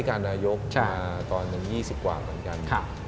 กว่ากันกัน